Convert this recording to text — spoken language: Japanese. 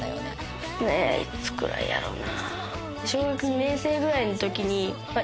いつぐらいやろうな。